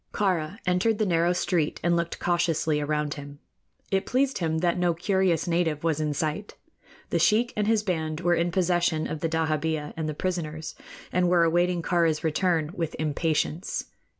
Kāra entered the narrow street and looked cautiously around him. It pleased him that no curious native was in sight. The sheik and his band were in possession of the dahabeah and the prisoners, and were awaiting Kāra's return with impatience.